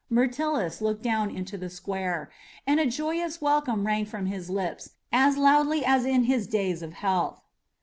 Myrtilus looked down into the square, and a joyous welcome rang from his lips as loudly as in his days of health.